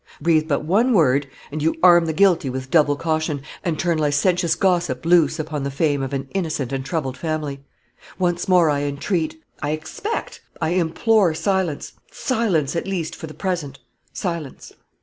Breathe but one word, and you arm the guilty with double caution, and turn licentious gossip loose upon the fame of an innocent and troubled family. Once more I entreat I expect I implore silence silence, at least, for the present silence!"